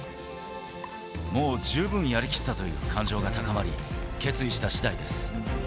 もう十分やりきったという感情が高まり、決意したしだいです。